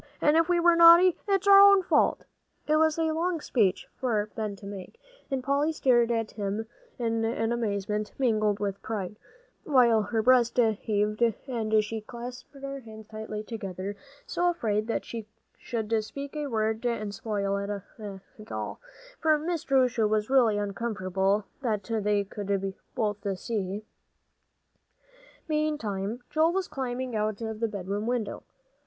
and if we're naughty, it's all our own fault!" It was a long speech for Ben to make, and Polly stared at him in an amazement mingled with pride, while her breast heaved, and she clasped her hands tightly together, so afraid she should speak a word and spoil it all, for Miss Jerusha was really uncomfortable, that they could both see. Meantime, Joel was climbing out of the bedroom window.